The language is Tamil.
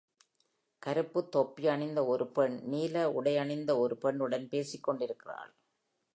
கருப்பு தொப்பி அணிந்த ஒரு பெண் நீல உடையணிந்த ஒரு பெண்ணுடன் பேசிக் கொண்டிருக்கிறாள்.